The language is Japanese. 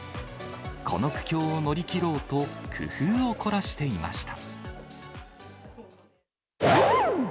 この苦境を乗り切ろうと、工夫を凝らしていました。